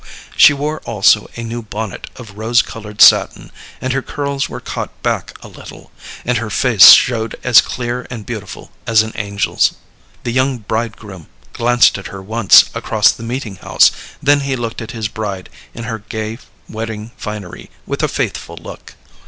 She wore also a new bonnet of rose colored satin, and her curls were caught back a little, and her face showed as clear and beautiful as an angel's. The young bridegroom glanced at her once across the meeting house, then he looked at his bride in her gay wedding finery with a faithful look.